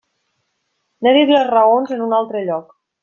N'he dit les raons en un altre lloc.